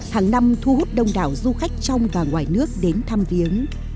hàng năm thu hút đông đảo du khách trong và ngoài nước đến thăm viếng